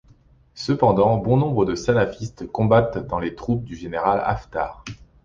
Cependant bon nombre de salafistes combattent dans les troupes du général Haftar.